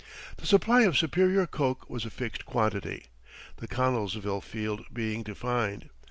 The supply of superior coke was a fixed quantity the Connellsville field being defined.